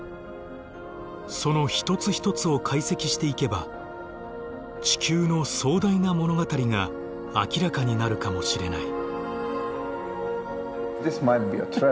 その一つ一つを解析していけば地球の壮大な物語が明らかになるかもしれない。